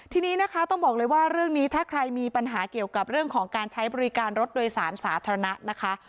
ทีนี้นะคะต้องบอกเลยว่าเรื่องนี้ถ้าใครมีปัญหาเกี่ยวกับเรื่องของการใช้บริการรถโดยสารสาธารณะนะคะ